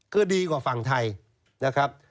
คือดีกว่าฝั่งไทยนะครับ